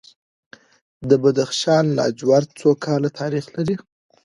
د بدخشان لاجورد څو کاله تاریخ لري؟